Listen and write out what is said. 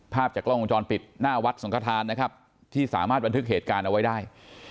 ภาพจากกล้องวงจรปิดหน้าวัดสังขทานนะครับที่สามารถบันทึกเหตุการณ์เอาไว้ได้